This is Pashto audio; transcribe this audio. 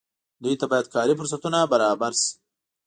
دوی ته باید کاري فرصتونه برابر شي.